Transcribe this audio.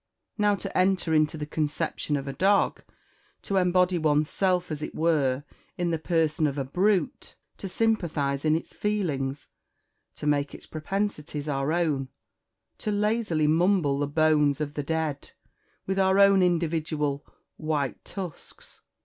"Now, to enter into the conception of a dog to embody one's self, as it were, in the person of a brute to sympathise in its feelings to make its propensities our own to 'lazily mumble the bones of the dead,' with our own individual 'white tusks'!